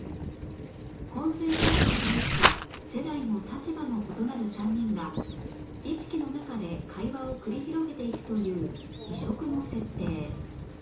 昏睡状態となった世代も立場も異なる３人が意識の中で会話を繰り広げていくという異色の設定